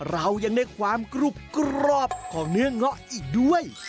เรายังได้ความกรุบกรอบของเนื้อเงาะอีกด้วย